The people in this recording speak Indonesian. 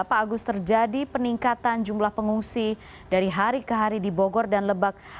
pak agus terjadi peningkatan jumlah pengungsi dari hari ke hari di bogor dan lebak